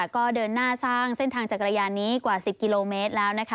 ก็เดินหน้าสร้างเส้นทางจักรยานนี้กว่า๑๐กิโลเมตรแล้วนะคะ